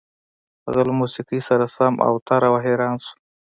هغه له موسيقۍ سره سم اوتر او حيران شو.